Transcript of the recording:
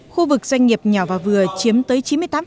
khu vực doanh nghiệp nhỏ và vừa chiếm tới chín mươi tám